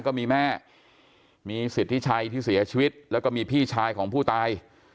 ก็มีแม่มีสิทธิชัยที่เสียชีวิตแล้วก็มีพี่ชายของผู้ตาย